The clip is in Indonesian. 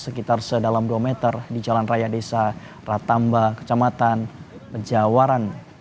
sekitar sedalam dua meter di jalan raya desa ratamba kecamatan jawaran